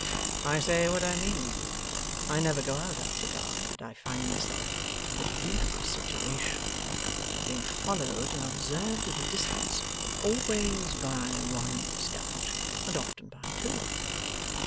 I say what I mean. I never go out after dark, but I find myself in the ludicrous situation of being followed and observed at a distance, always by one scout, and often by two.